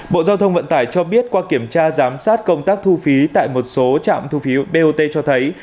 bộ giao thông vận tải cho biết qua kiểm tra giám sát công tác thu phí tại một số trạm thu phí bot cho thấy